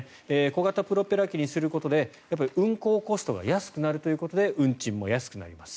小型プロペラ機にすることで運航コストが安くなるということで運賃も安くなります。